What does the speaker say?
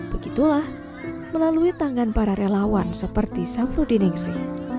begitulah melalui tangan para relawan seperti safro dinengsi